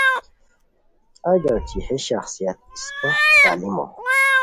اگر چہ ہے شخصیت اِسپہ تعلیمو